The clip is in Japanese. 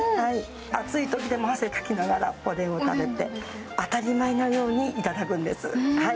暑いときでも汗かきながらおでんを食べて、当たり前のようにいただくんです。